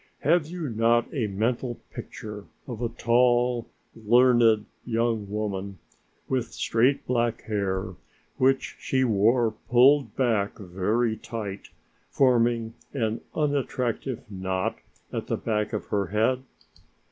Have you not a mental picture of a tall, learned young woman, with straight black hair, which she wore pulled back very tight, forming an unattractive knot at the back of her head?